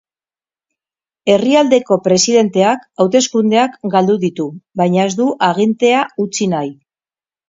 Herrialdeko presidenteak hauteskundeak galdu ditu, baina ez du agintea utzi nahi.